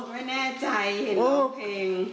ไม่แน่ใจเห็นโอ้เพลง